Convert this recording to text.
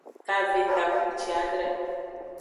Kave takpuciadre.